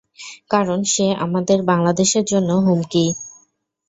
কারণ সে আমাদের বাংলাদেশের জন্য হুমকি।